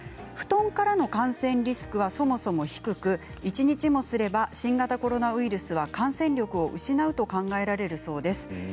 布団からの感染リスクはそもそも低く一日もすれば新型コロナウイルスは感染力を失うと考えられるそうです。